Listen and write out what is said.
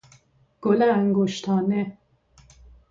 گل انگشتانه